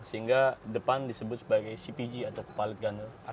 sehingga depan disebut sebagai cpg atau co pilot gunner